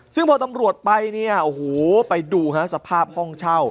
ซึ่งพอตำรวจไปเนี่ยโอ้โหไปดูฮะสภาพห้องเช่า